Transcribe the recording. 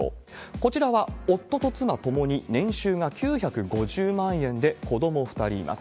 こちらは夫と妻ともに年収が９５０万円で、子ども２人います。